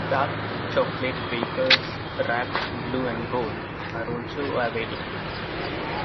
Dark chocolate wafers, wrapped blue and gold, are also available.